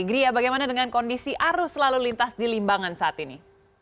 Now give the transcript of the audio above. gria bagaimana dengan kondisi arus lalu lintas di limbangan saat ini